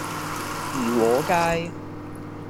怡和街